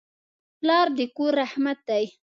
پلار د کور رحمت دی.